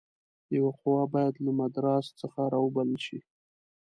یوه قوه باید له مدراس څخه را وبلل شي.